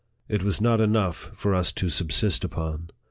It was not enough for us to subsist upon.